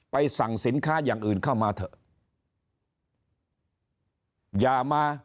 ไปสั่งสินค้าอย่างอื่นเข้ามาเถอะ